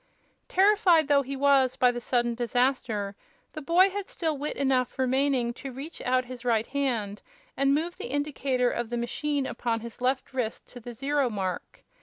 Terrified though he was by the sudden disaster, the boy had still wit enough remaining to reach out his right hand and move the indicator of the machine upon his left wrist to the zero mark.